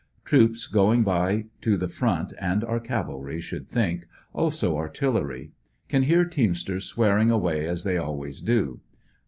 Troops going by to the front, and are cavalry, should think, also artillery. Can hear teamsters swearing away as they always do.